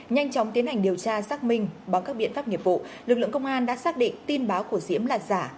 nhanh chóng tiến hành điều tra xác minh bằng các biện pháp nghiệp vụ lực lượng công an đã xác định tin báo của diễm là giả